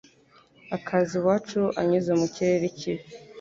akaza iwacu anyuze mu kirere kibi